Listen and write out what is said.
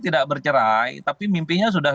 tidak bercerai tapi mimpinya sudah